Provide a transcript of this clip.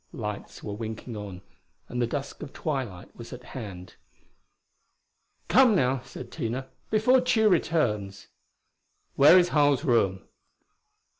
Lights were winking on; the dusk of twilight was at hand. "Come now," said Tina, "before Tugh returns." "Where is Harl's room?"